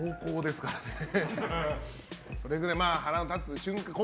それくらい腹の立つ瞬間がね。